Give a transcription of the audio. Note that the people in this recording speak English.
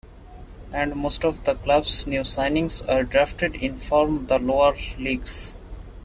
And most of the club's new signings were drafted in from the lower leagues.